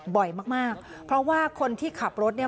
บ่อยมากมากเพราะว่าคนที่ขับรถเนี่ย